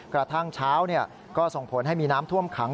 กระทั่งเช้าก็ส่งผลให้มีน้ำท่วมขัง